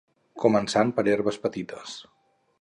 començant per herbes petites